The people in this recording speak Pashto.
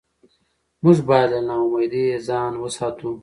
موږ باید له ناامیدۍ ځان وساتو